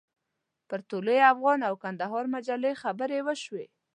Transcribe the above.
پر طلوع افغان او کندهار مجلې خبرې وشوې.